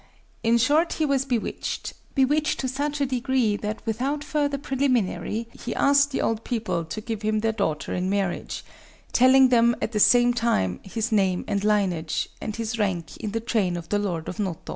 In short he was bewitched—bewitched to such a degree that, without further preliminary, he asked the old people to give him their daughter in marriage,—telling them, at the same time, his name and lineage, and his rank in the train of the Lord of Noto.